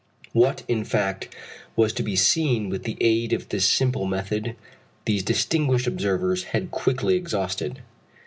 What in fact was to be seen with the aid of this simple method, these distinguished observers had quickly exhausted.